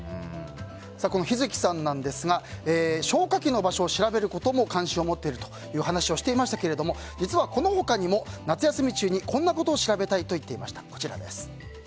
この陽月さんなんですが消火器の場所を調べることも関心を持っているという話をしていましたけれども実はこの他にも夏休み中にこんなことを調べたいと言っていました。